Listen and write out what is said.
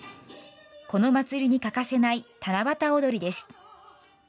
この祭りに欠かせない七夕おどりです。